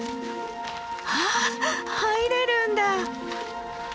あっ入れるんだ！